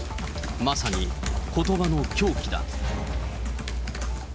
まさにことばの凶器だ。